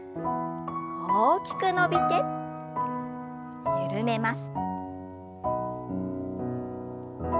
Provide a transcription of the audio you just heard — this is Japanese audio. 大きく伸びて緩めます。